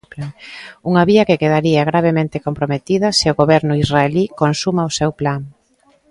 Unha vía que quedaría gravemente comprometida se o Goberno israelí consuma o seu plan.